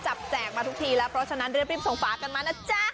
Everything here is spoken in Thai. แจกมาทุกทีแล้วเพราะฉะนั้นรีบส่งฝากันมานะจ๊ะ